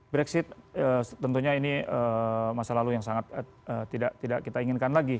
brexit tentunya ini masa lalu yang sangat tidak kita inginkan lagi